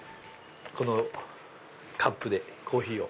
このカップでコーヒーを。